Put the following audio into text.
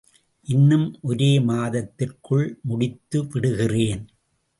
இன்னும் ஒரே மாதத்திற்குள் முடித்து விடுகிறேன்.